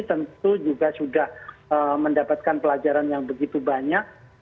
tentu juga sudah mendapatkan pelajaran yang begitu banyak